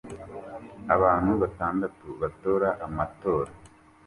Abantu batandatu batora amatora